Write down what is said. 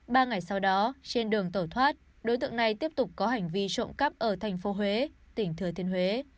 ba ngày sau đó trên đường tẩu thoát đối tượng này tiếp tục có hành vi trộm cắp ở thành phố huế tỉnh thừa tiên huế